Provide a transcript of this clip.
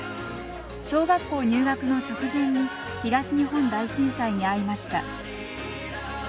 小学校入学の直前に東日本大震災に遭いました。